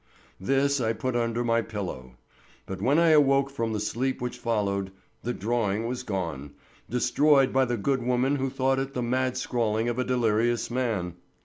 This I put under my pillow. But when I awoke from the sleep which followed, the drawing was gone, destroyed by the good woman who thought it the mad scrawling of a delirious man.